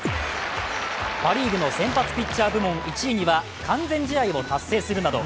パ・リーグの先発ピッチャー部門１位には完全試合を達成するなど